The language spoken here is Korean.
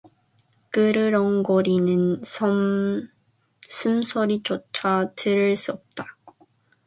그르렁거리는 숨소리조차 들을 수 없다.